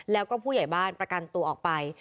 แล้วก็ผู้ใหญ่บ้านประกันตัวออกไป